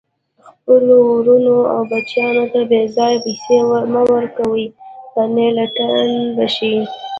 خپلو ورونو او بچیانو ته بیځایه پیسي مه ورکوئ، کنه لټان به شي